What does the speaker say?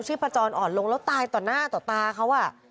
พจรอ่อนลงแล้วตายต่อหน้าต่อตาเขา